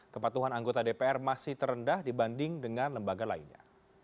kepatuhan anggota dpr masih terendah dibanding dengan lembaga lainnya